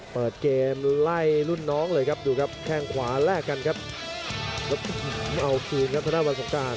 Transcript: เปิดเกมไล่รุ่นน้องเลยครับดูครับแข้งขวาแลกกันครับแล้วเอาคืนครับธนาวันสงการ